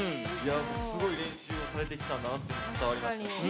すごい練習をされてきたんだなというのが伝わりましたし